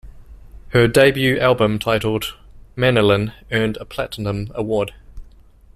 Her debut album titled "Manilyn" earned a platinum award.